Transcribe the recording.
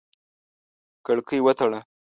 کړکۍ وتړه!